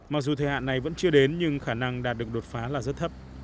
mặc dù thời hạn này vẫn chưa đến nhưng khả năng đạt được đột phá là rất thấp